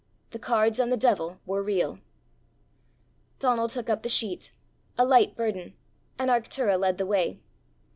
The cards and the devil were real! Donal took up the sheet a light burden, and Arctura led the way.